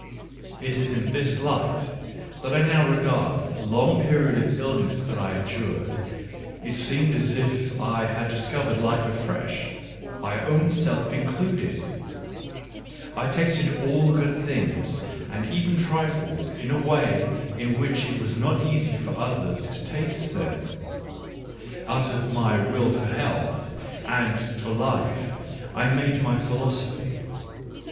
It is in this light that I now regard the long period of illness that I endured : it seemed as if I had discovered life afresh, my own self included. I tasted all good things and even trifles in a way in which it was not easy for others to taste them — out of my Will to Health and to Life I made my Digitized by Google WHY I AM SO WISE 1 3 philosophy.